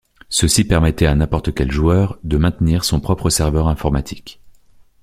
Ceci permettait à n'importe quel joueur de maintenir son propre serveur informatique.